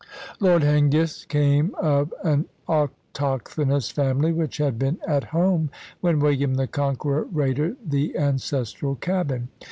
Lord Hengist came of an autochthonous family which had been at home when William the Conqueror raided the ancestral cabin.